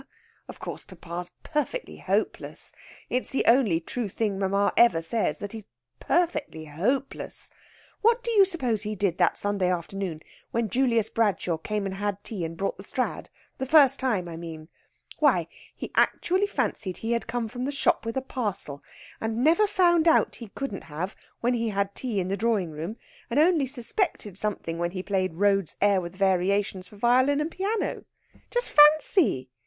Of course, papa's perfectly hopeless! It's the only true thing mamma ever says that he's perfectly hopeless. What do you suppose he did that Sunday afternoon when Julius Bradshaw came and had tea and brought the Strad the first time, I mean?... Why, he actually fancied he had come from the shop with a parcel, and never found out he couldn't have when he had tea in the drawing room, and only suspected something when he played Rode's 'Air with Variations for Violin and Piano.' Just fancy!